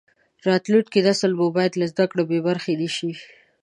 راتلونکی نسل مو باید له زده کړو بې برخې نشي.